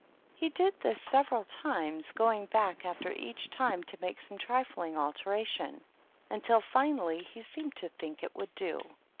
He did this several times, going back after each time to make some trifling THE TEA TABLE. 61 alteration, until finally he seemed to think it would do.